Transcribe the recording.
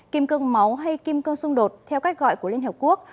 kim cương máu hay kim cương xung đột theo cách gọi của liên hợp quốc